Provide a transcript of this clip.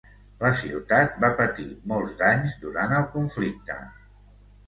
La ciutat va patir molts danys durant el conflicte.